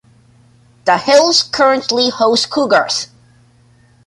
The hills currently host cougars.